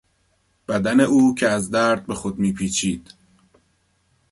بدن او که از درد به خود میپیچید